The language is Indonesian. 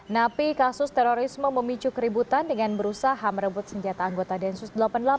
napi kasus terorisme memicu keributan dengan berusaha merebut senjata anggota densus delapan puluh delapan